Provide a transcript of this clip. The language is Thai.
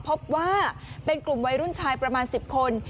พบว่าเป็นกลุ่มวัยรุ่นชายประมาณ๑๐คน